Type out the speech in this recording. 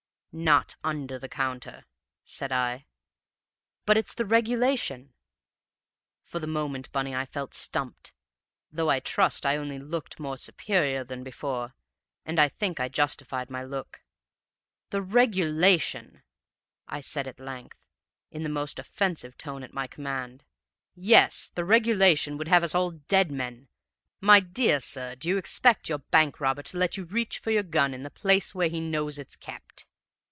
"'Not under the counter,' said I. "'But it's the regulation!' "For the moment, Bunny, I felt stumped, though I trust I only looked more superior than before, and I think I justified my look. "'The regulation!' I said at length, in the most offensive tone at my command. 'Yes, the regulation would have us all dead men! My dear sir, do you expect your bank robber to let you reach for your gun in the place where he knows it's kept?